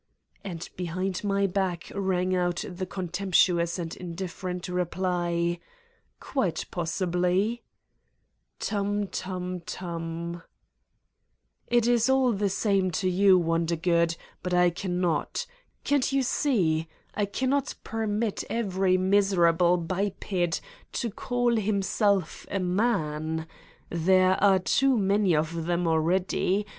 And behind my back rang out the contemptuous and indifferent reply :" Quite possibly." "Tump tump tump. ..." "It is all the same to you, Wondergood, but I cannot! Can't you see: I cannot permit every miserable biped to call himself a man. There are too many of them, already.